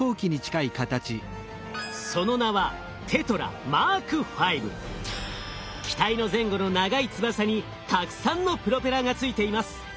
その名は機体の前後の長い翼にたくさんのプロペラが付いています。